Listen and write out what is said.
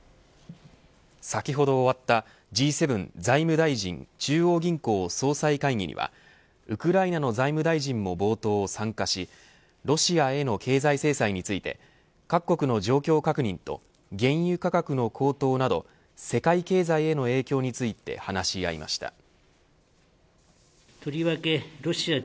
先ほど終わったＧ７財務大臣中央銀行総裁会議にはウクライナの財務大臣も冒頭参加しロシアへの経済制裁について各国の状況確認と原油価格の高騰など世界経済への影響について話し合いました。